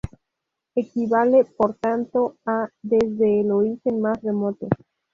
Equivale, por tanto, a "desde el origen más remoto".